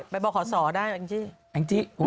อ๋อไปบอกขอสอได้จิ